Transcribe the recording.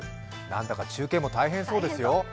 なんだか中継も大変そうですよ。